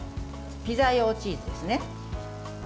ピザ用チーズです。